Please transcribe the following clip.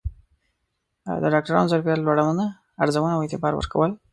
د ډاکترانو ظرفیت لوړونه، ارزونه او اعتبار ورکول